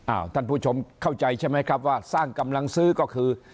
ท่านผู้ชมเข้าใจใช่ไหมครับว่าสร้างกำลังซื้อก็คือ